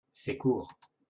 C’est court